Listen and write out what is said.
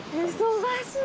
忙しい！